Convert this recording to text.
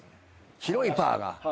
広いパーが。